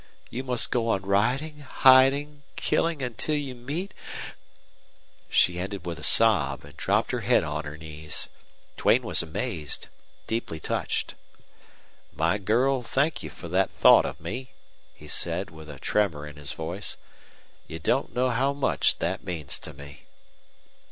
You must go on riding, hiding, killing until you meet " She ended with a sob and dropped her head on her knees. Duane was amazed, deeply touched. "My girl, thank you for that thought of me," he said, with a tremor in his voice. "You don't know how much that means to me."